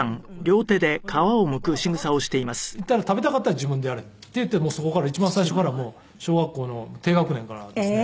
それで「わかったか？」って言って「食べたかったら自分でやれ」って言ってそこから一番最初から小学校の低学年からですね。